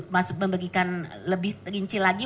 masuk membagikan lebih rinci lagi